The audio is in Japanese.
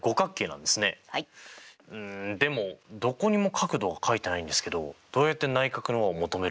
うんでもどこにも角度が書いてないんですけどどうやって内角の和を求めるんでしょうか？